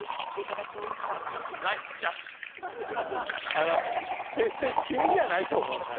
あの決して君じゃないと思うな。